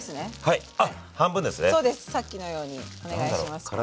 さっきのようにお願いしますからね。